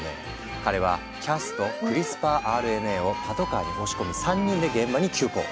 彼はキャスとクリスパーＲＮＡをパトカーに押し込み３人で現場に急行。